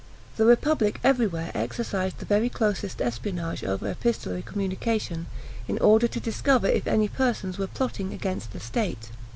The republic everywhere exercised the very closest espionage over epistolary communication, in order to discover if any persons were plotting against the state.